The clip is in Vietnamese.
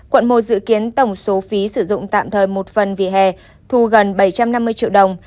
quận một dự kiến tổng số phí sử dụng tạm thời một phần vì hè thu gần bảy trăm năm mươi triệu đồng